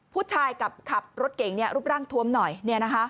ผู้ชายกับขับรถเก๋งนี่รูปร่างทวมหน่อยนี่นะฮะ